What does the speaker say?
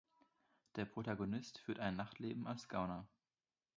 Der Protagonist führt ein Nachtleben als Gauner.